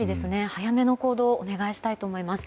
早めの行動をお願いしたいと思います。